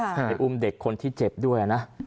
ให้อุ้มเด็กคนที่เจ็บด้วยนะ